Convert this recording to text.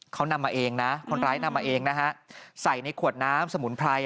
เขานำมาเองนะคนร้ายนำมาเองนะฮะใส่ในขวดน้ำสมุนไพร